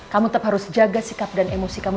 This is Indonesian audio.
kamu tetap harus jaga sikap dan emosi kamu